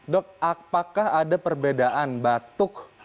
dok apakah ada perbedaan batuk